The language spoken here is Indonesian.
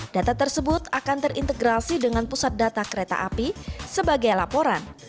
data tersebut akan terintegrasi dengan pusat data kereta api sebagai laporan